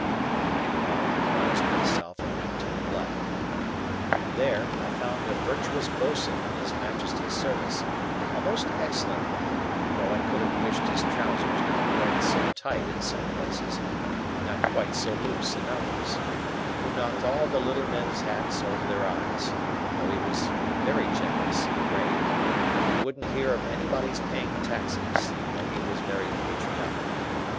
By and by, I roused myself, and went to the play. There, I found a virtuous boatswain in His Majesty's service,—a most excellent man, though I could have wished his trousers not quite so tight in some places, and not quite so loose in others,—who knocked all the little men's hats over their eyes, though he was very generous and brave, and who wouldn't hear of anybody's paying taxes, though he was very patriotic.